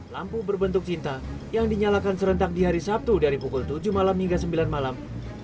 lampu berbentuk cinta yang dinyalakan serentak di hari sabtu dari pukul tujuh malam hingga sembilan malam